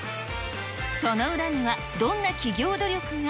その裏には、どんな企業努力が。